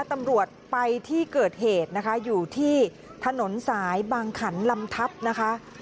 ตำรวจไปที่เกิดเหตุนะคะอยู่ที่ถนนสายบางขันลำทับนะคะ